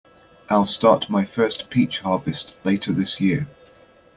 I'll start my first peach harvest later this year.